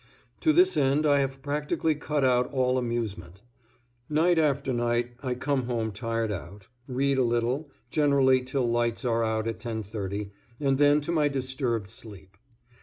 To this end I have practically cut out all amusement. Night after night I come home tired out, read a little, generally till lights are out at 10:30, and then to my disturbed sleep.